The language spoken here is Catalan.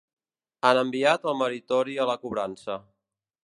Han enviat el meritori a la cobrança.